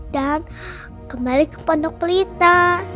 dan kembali ke pondok pelita